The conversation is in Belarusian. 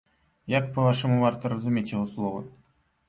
Як, па-вашаму, варта разумець яго словы?